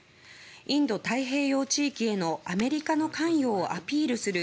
インド太平洋地域へのアメリカの関与をアピールする